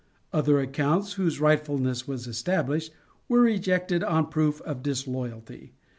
Other accounts, whose rightfulness was established, were rejected on proof of disloyalty.